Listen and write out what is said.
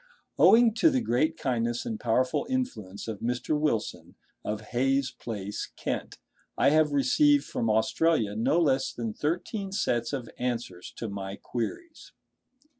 Owing to the great kindness and powerful influence of Mr. Wilson, of Hayes Place, Kent, I have received from Australia no less than thirteen sets of answers to my queries.